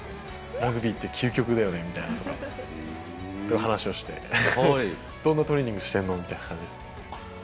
ラグビーって究極だよねみたいな話をして、どんなトレーニングしてるの？みたいな感じですね。